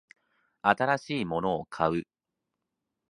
新しいものを買う